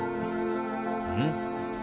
うん？